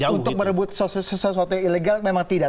untuk merebut sesuatu yang ilegal memang tidak